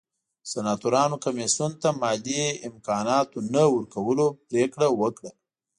سناتورانو کمېسیون ته مالي امکاناتو نه ورکولو پرېکړه وکړه